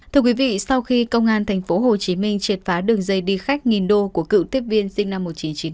thưa quý vị sau khi công an tp hcm triệt phá đường dây đi khách nghìn đô của cựu tiếp viên sinh năm một nghìn chín trăm chín mươi